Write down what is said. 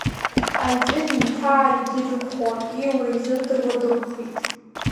Аӡәы дииҭар егьи дынхон, ииура изымдыруа дықәхеит.